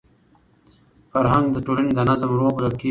فرهنګ د ټولني د نظم روح بلل کېږي.